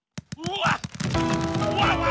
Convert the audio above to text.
うわ！